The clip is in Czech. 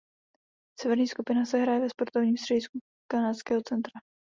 Severní skupina se hraje ve sportovním středisku Kanadského centra.